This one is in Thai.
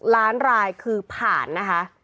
ล้านรายคือผ่านนะคะ